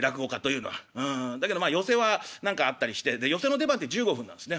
うんだけどまあ寄席は何かあったりしてで寄席の出番て１５分なんですね。